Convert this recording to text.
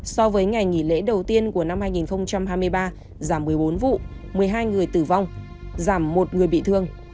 so với ngày nghỉ lễ đầu tiên của năm hai nghìn hai mươi ba giảm một mươi bốn vụ một mươi hai người tử vong giảm một người bị thương